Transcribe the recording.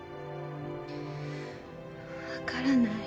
分からない。